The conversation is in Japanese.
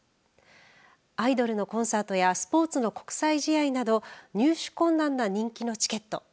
アイドルのコンサートやスポーツの国際試合など入手困難な人気のチケット。